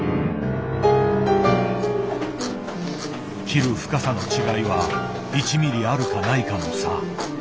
切る深さの違いは１ミリあるかないかの差。